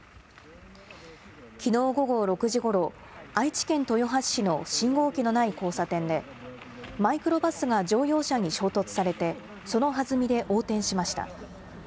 きのう午後６時ごろ、愛知県豊橋市の信号機のない交差点で、マイクロバスが乗用車に衝突されて、そのはずみで横転しました。